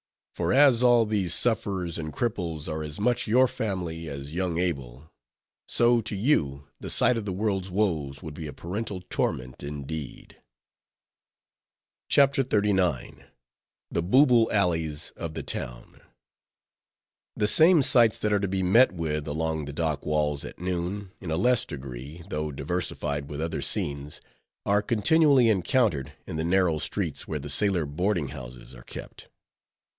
For as all these sufferers and cripples are as much your family as young Abel, so, to you, the sight of the world's woes would be a parental torment indeed. CHAPTER XXXIX. THE BOOBLE ALLEYS OF THE TOWN The same sights that are to be met with along the dock walls at noon, in a less degree, though diversified with other scenes, are continually encountered in the narrow streets where the sailor boarding houses are kept.